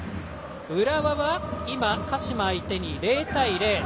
浦和は今、鹿島相手に０対０。